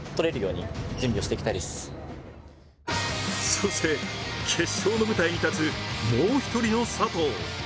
そして、決勝の舞台に立つもう１人の佐藤。